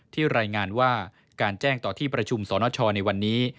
รายงานว่าการแจ้งต่อที่ประชุมสนชในวันนี้